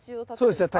そうですね。